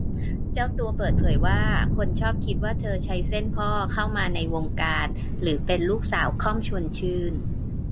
เจ้าตัวเปิดเผยว่า คนชอบคิดว่าเธอใช้เส้นพ่อเข้ามาในวงการ หรือเป็นลูกสาว ค่อม ชวนชื่น